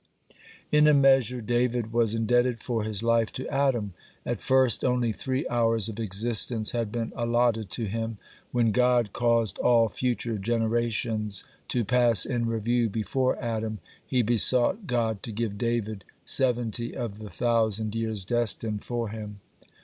(11) In a measure David was indebted for his life to Adam. At first only three hours of existence had been allotted to him. When God caused all future generations to pass in review before Adam, he besought God to give David seventy of the thousand years destined for him.